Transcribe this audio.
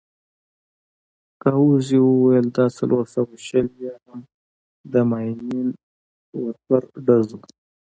ګاووزي وویل: دا څلور سوه شل یا هم د ماينين ورفر ډز وو.